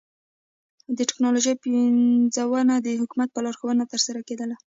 د ټکنالوژۍ پنځونه د حکومت په لارښوونه ترسره کېدل.